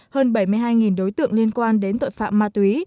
hơn bảy mươi hai đối tượng liên quan đến tội phạm ma túy